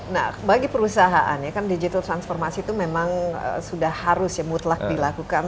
nah bagi perusahaan ya kan digital transformasi itu memang sudah harus ya mutlak dilakukan